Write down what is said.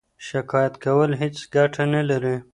شکایت کول هیڅ ګټه نلري.